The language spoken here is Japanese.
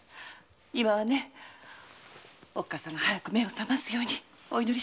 今はお母さんが早く目を覚ますようにお祈りしましょ。